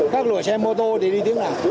các lùa xe mô tô thì đi tuyến nào